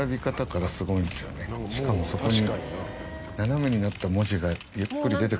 しかもそこに。